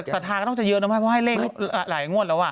สถานก็ต้องจะเยอะนะไม่ว่าให้เลขหลายงวดแล้ว